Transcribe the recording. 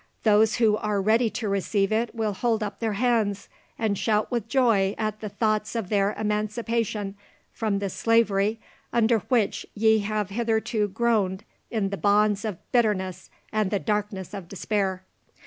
Those who are ready to receive it will hold up their hands, and shout with joy at the thoughts of their emancipation from the slavery under which ye have hitherto groaned in the bonds of bitterness and the darkness of despair!